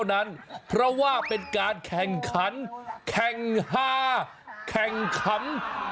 บอกเลยว่าเป็นงานที่เรียกเสียงฮา